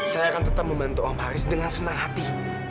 saya akan tetap membantu om haris dengan senang hati